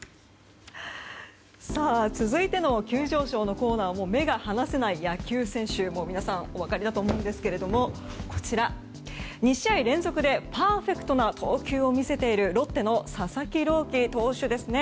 続いての急上昇のコーナーも目が離せない野球選手皆さんお分かりだと思うんですけれども２試合連続でパーフェクトな投球を見せているロッテの佐々木朗希投手です。